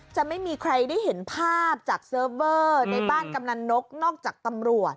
จะไม่มีใครได้เห็นภาพจากเซิร์ฟเวอร์ในบ้านกำนันนกนอกจากตำรวจ